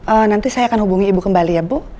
oh nanti saya akan hubungi ibu kembali ya bu